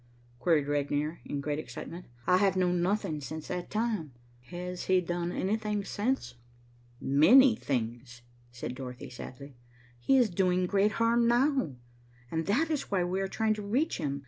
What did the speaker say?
queried Regnier, in great excitement. "I have known nothing since that time. Has he done anything since?" "Many things," said Dorothy sadly. "He is doing great harm now, and that is why we are trying to reach him.